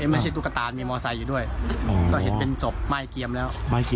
ไม่ใช่ตุ๊กตามีมอเตอร์ไซด์อยู่ด้วยก็เห็นเป็นจบไหม้เกียมแล้ว